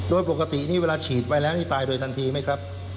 โดยปกตินี่เวลาฉีดไปแล้วนี่ตายโดยทันทีไหมครับ